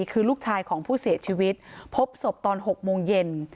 คือลูกชายของผู้เสียชีวิตพบศพตอน๖โมงเย็น